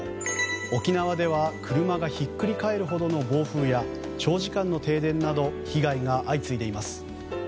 沖縄では車がひっくり返るほどの暴風や長時間の停電など被害が相次いでいます。